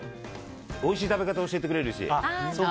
おいしい食べ方を教えてくれるし。